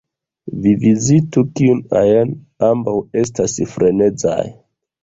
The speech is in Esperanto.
Vi vizitu kiun ajn; ambaŭ estas frenezaj.